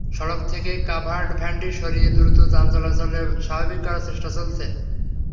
সড়ক থেকে কাভার্ডভ্যানটি সরিয়ে দ্রুত যান চলাচল স্বাভাবিক করার চেষ্টা চলছে।